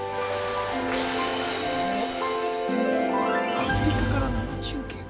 アフリカから生中継。